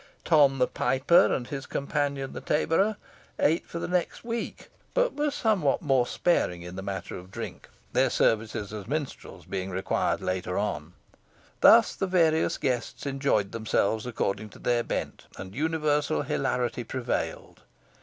Tom the piper, and his companion the taborer, ate for the next week, but were somewhat more sparing in the matter of drink, their services as minstrels being required later on. Thus the various guests enjoyed themselves according to their bent, and universal hilarity prevailed.